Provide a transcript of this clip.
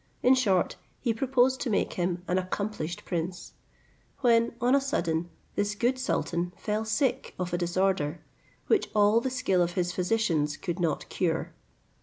In short, he proposed to make him an accomplished prince, when on a sudden this good sultan fell sick of a disorder, which all the skill of his physicians could not cure.